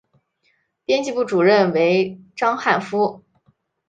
编辑部主任为章汉夫。